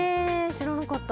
知らなかった！